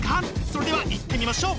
それではいってみましょう！